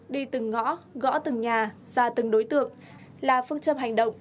đi từng ngõ gõ từng nhà ra từng đối tượng là phương châm hành động